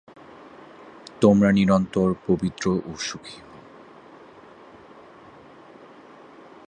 তোমরা নিরন্তর পবিত্র ও সুখী হও।